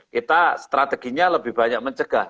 kita strateginya lebih banyak mencegah